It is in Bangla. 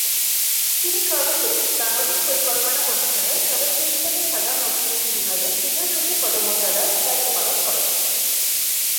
তিনি সর্বশেষ বাংলাদেশ পরিকল্পনা কমিশনের সদস্য হিসেবে সাধারণ অর্থনীতি বিভাগে সিনিয়র সচিব পদমর্যাদায় দায়িত্ব পালন করেন।